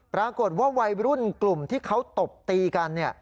วัยรุ่นกลุ่มที่เขาตบตีกัน